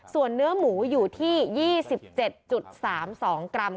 ส่วนเนื้อหมูอยู่ที่๒๗๓๒กรัม